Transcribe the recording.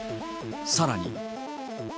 さらに。